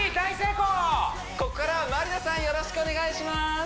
ここからはまりなさんよろしくお願いします